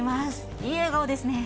いい笑顔ですね。